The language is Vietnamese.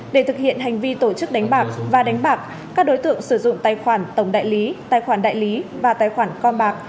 để thực hiện hành vi tổ chức đánh bạc và đánh bạc các đối tượng sử dụng tài khoản tổng đại lý tài khoản đại lý và tài khoản con bạc